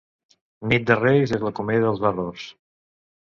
Nit de Reis és la comèdia dels errors.